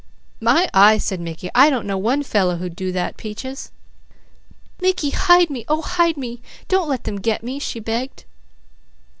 "My eye!" said Mickey. "I don't know one fellow who'd do that, Peaches." "Mickey, hide me. Oh hide me! Don't let them 'get' me!" she begged.